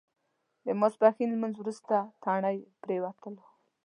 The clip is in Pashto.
د ماسپښین لمونځ وروسته تڼۍ پرېوتلو.